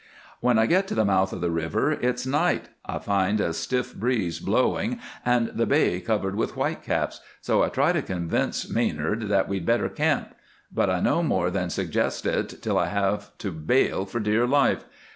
"When I get to the mouth of the river it's night. I find a stiff breeze blowing and the bay covered with whitecaps, so I try to convince Manard that we'd better camp. But I no more than suggest it till I have to bail for dear life.